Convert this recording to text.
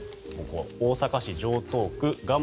大阪市城東区蒲生